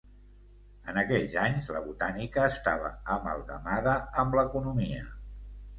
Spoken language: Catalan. En aquells anys la botànica estava amalgamada amb l'economia.